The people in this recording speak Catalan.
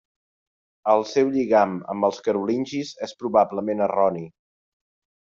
El seu lligam amb els carolingis és probablement erroni.